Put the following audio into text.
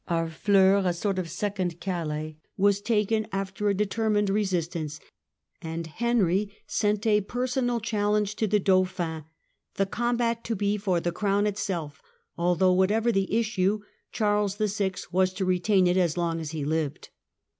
Harfleur, a sort of ^"4^5^'*^"' second Calais, was taken after a determined resistance, and Henry sent a personal challenge to the Dauphin, the combat to be for the Crown itself, although, whatever the issue, Charles YI. was to retain it as long as he hved.